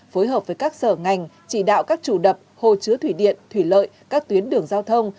phối hợp với các sở ngành chỉ đạo các chủ đập hồ chứa thủy điện thủy lợi các tuyến đường giao thông